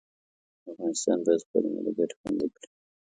افغانستان باید خپلې ملي ګټې خوندي کړي.